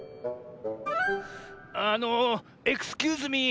あのエクスキューズミー。